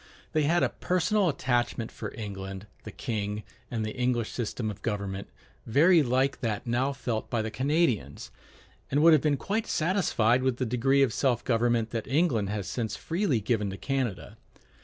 They had a personal attachment for England, the king, and the English system of government, very like that now felt by the Canadians, and would have been quite satisfied with the degree of self government that England has since freely given to Canada.